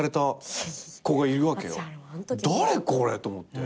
誰これ！？と思って。